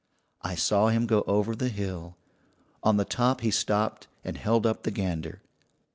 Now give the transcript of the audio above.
"I saw him go over the hill. On the top he stopped and held up the gander.